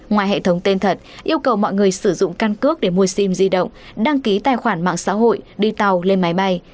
ngoài hệ thống tên thật yêu cầu mọi người sử dụng căn cước để mua sim di động đăng ký tài khoản mạng xã hội đi tàu lên máy bay